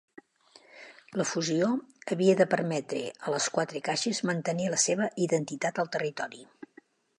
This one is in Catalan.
La fusió havia de permetre a les quatre caixes mantenir la seva identitat al territori.